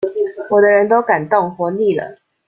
我的人都敢動，活膩了？